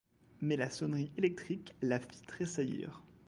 Mais la sonnerie électrique la fit tressaillir.